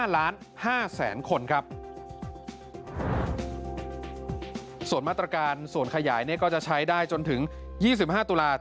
๕ล้าน๕แสนคนส่วนมาตรการขยายนั้นก็จะใช้ได้จนถึง๒๕ตุลาคม